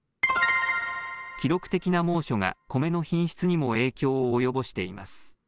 記録的な猛暑がコメの品質にも影響を及ぼしています。